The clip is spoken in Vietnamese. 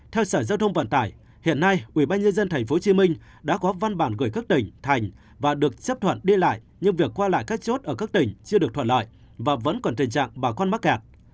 theo sở giao thông vận tải hiện nay ubnd tp hcm đã có văn bản gửi các tỉnh thành và được chấp thuận đi lại nhưng việc qua lại các chốt ở các tỉnh chưa được thuận lợi và vẫn còn tình trạng bà con mắc kẹt